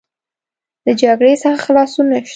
د جګړې څخه خلاصون نشته.